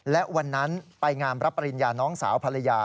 และวันนั้นไปงามรับปริญญาน้องสาวภรรยา